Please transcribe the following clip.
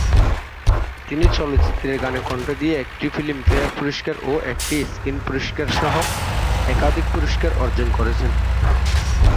তিনি চলচ্চিত্রের গানে কণ্ঠ দিয়ে একটি ফিল্মফেয়ার পুরস্কার ও একটি স্ক্রিন পুরস্কারসহ একাধিক পুরস্কার অর্জন করেছেন।